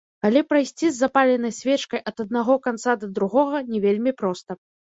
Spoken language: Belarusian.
Але прайсці з запаленай свечкай ад аднаго канца да другога не вельмі проста.